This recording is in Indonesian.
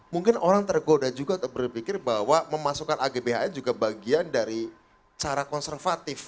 mungkin orang tergoda juga untuk berpikir bahwa memasukkan agbhn juga bagian dari cara konservatif